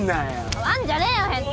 触んじゃねえよ変態。